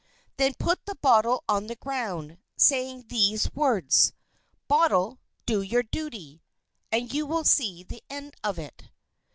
Then put the bottle on the ground, saying these words: 'Bottle, do your duty!' And you will see the end of it."